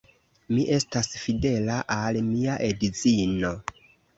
Mi estas fidela al mia edzino.